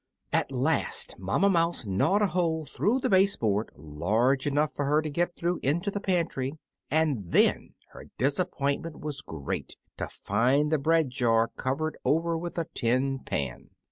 At last Mamma Mouse gnawed a hole through the base board large enough for her to get through into the pantry, and then her disappointment was great to find the bread jar covered over with a tin pan.